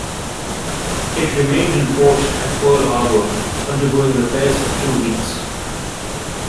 It remained in port at Pearl Harbor undergoing repairs for two weeks.